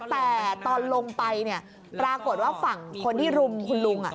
แต่ตอนลงไปปรากฏว่าฝั่งคนที่รุมคุณลุง